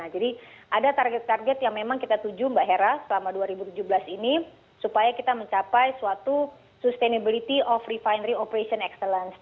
ada target target yang memang kita tuju mbak hera selama dua ribu tujuh belas ini supaya kita mencapai suatu sustainability of refinery operation excellence